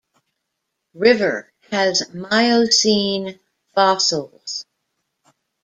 River has miocene fossils.